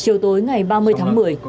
chiều tối ngày ba mươi tháng một mươi